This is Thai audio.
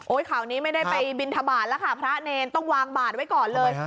ข่าวนี้ไม่ได้ไปบินทบาทแล้วค่ะพระเนรต้องวางบาทไว้ก่อนเลย